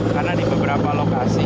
karena di beberapa lokasi